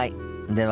では。